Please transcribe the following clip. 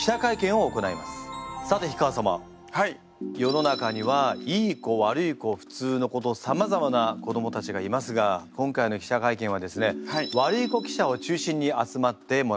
世の中にはいい子悪い子普通の子とさまざまな子どもたちがいますが今回の記者会見はですね悪い子記者を中心に集まってもらっています。